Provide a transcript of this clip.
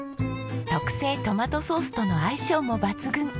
特製トマトソースとの相性も抜群。